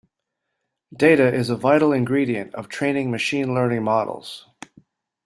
Data is a vital ingredient of training machine learning models.